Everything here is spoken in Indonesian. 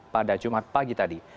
pada jumat pagi tadi